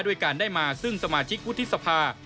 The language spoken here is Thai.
ด้วยการได้มาซึ่งสมาชิกวุฒิสภา